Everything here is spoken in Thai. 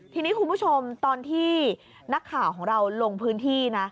ทีนี้คุณผู้ชมตอนที่นักข่าวของเราลงพื้นที่นะ